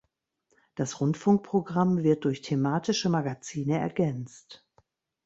Das Rundfunkprogramm wird durch thematische Magazine ergänzt.